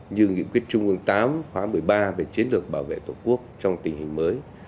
như nghị quyết trung ương viii khóa một mươi ba về chiến lược bảo vệ tổ quốc trong tình hình mới